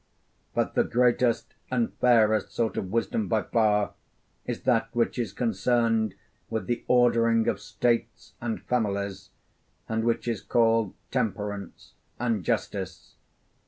But the greatest and fairest sort of wisdom by far is that which is concerned with the ordering of states and families, and which is called temperance and justice.